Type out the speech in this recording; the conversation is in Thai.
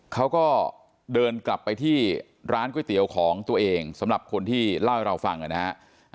เขาก็เดินกลับไปที่ร้านก๋วยเตี๋ยวของตัวเองสำหรับคนที่เล่าให้เราฟังนะครับ